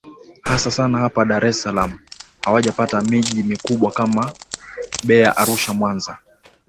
hasa sana hapa dar es salaam hawajapata miji mikubwa kama beya arusha mwanza